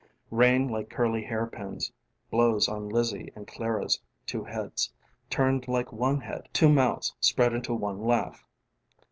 ┬Ā┬ĀRain like curly hairpins ┬Ā┬Āblows on Lizzie and Clara's two heads ┬Ā┬Āturned like one headŌĆö ┬Ā┬Ātwo mouths ┬Ā┬Āspread into one laugh.